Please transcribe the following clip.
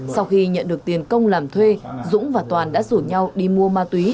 sau khi nhận được tiền công làm thuê dũng và toàn đã rủ nhau đi mua ma túy